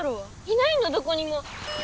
いないのどこにも。